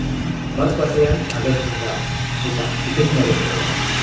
Bat-batean agertzen da, eta etengabekoa da.